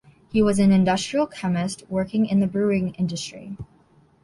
He was an industrial chemist working in the brewing industry.